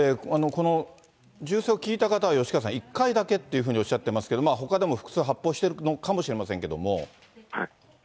この銃声を聞いた方は、吉川さん、１回だけっていうふうにおっしゃってますけど、ほかでも複数発砲しているのかもしれないですけども。